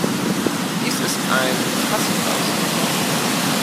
Dies ist ein Passivhaus.